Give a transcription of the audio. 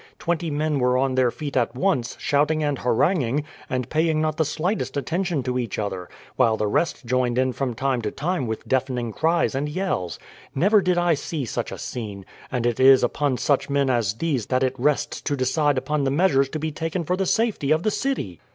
Twenty men were on their feet at once, shouting and haranguing, and paying not the slightest attention to each other; while the rest joined in from time to time with deafening cries and yells. Never did I see such a scene. And it is upon such men as these that it rests to decide upon the measures to be taken for the safety of the city!"